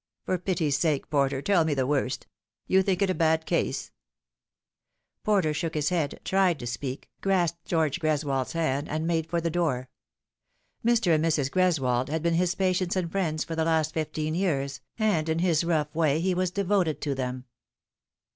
" For pity's sake, Porter, tell me the worst I You think it a bad case ?" Porter shook his head, tried to speak, grasped George Gres wold's hand, and made for the door. Mr. and Mrs. Greswold had been his patients and friends for the last fifteen years, and in his rough way he was devoted to them.